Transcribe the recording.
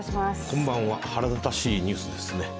こんばんわ、腹立たしいニュースですね。